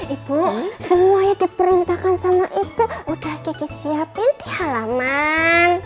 ibu semuanya diperintahkan sama ibu udah kiki siapin di halaman